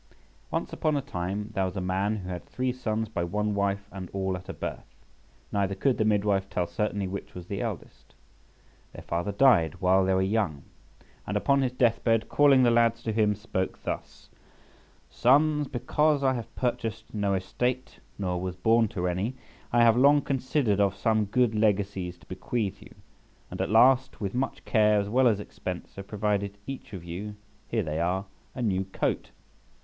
ONCE upon a time there was a man who had three sons by one wife and all at a birth, neither could the midwife tell certainly which was the eldest. Their father died while they were young, and upon his death bed, calling the lads to him, spoke thus:— "Sons, because I have purchased no estate, nor was born to any, I have long considered of some good legacies to bequeath you, and at last, with much care as well as expense, have provided each of you (here they are) a new coat.